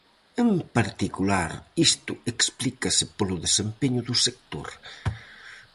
En particular isto explícase polo desempeño do sector.